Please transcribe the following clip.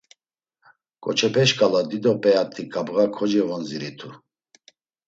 “Ǩoçepe şǩala dido p̌eyat̆i ǩabğa cevondziritu.”